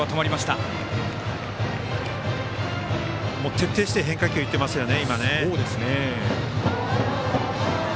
徹底して変化球いってますよね。